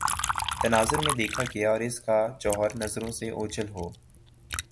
تناظرمیں دیکھا گیا اور اس کا جوہرنظروں سے اوجھل ہو